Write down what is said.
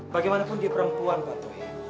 bagaimanapun dia perempuan patuh ini